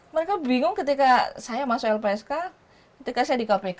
mereka bingung ketika saya masuk lpsk ketika saya di kpk